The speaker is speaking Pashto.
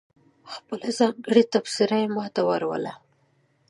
خپله ځانګړې تبصره یې ماته واوروله.